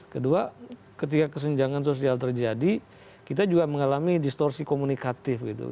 kedua ketika kesenjangan sosial terjadi kita juga mengalami distorsi komunikatif gitu